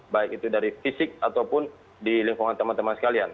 baik itu dari fisik ataupun di lingkungan teman teman sekalian